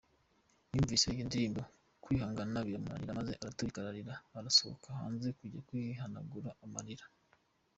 Yumvise iyo ndirimbo kwihaganga biramunanira maze araturika ararira asohoka hanze kujya kwihanagura amarira.